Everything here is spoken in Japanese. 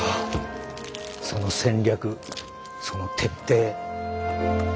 その戦略その徹底